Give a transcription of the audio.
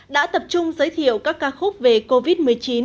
đã tập trung giới thiệu các ca khúc về covid một mươi chín